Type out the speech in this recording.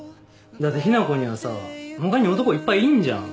だってひな子にはさ他に男いっぱいいんじゃん。